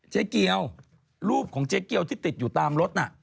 เจ๊เกียวรูปของเจ๊เกียวที่ติดอยู่ตามรถน่ะ